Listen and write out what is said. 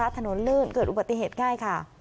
ถนนลื่นเกิดอุบัติเหตุง่ายค่ะ